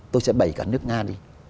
tôi sẽ bày cả nước nga đi